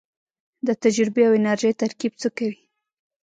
د تجربې او انرژۍ ترکیب څه کوي؟